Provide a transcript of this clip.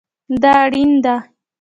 دا اړین دی